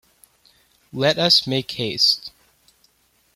Let us make haste.